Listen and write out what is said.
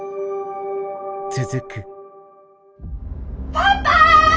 パパ！